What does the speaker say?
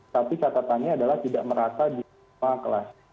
tapi catatannya adalah tidak merata di semua kelas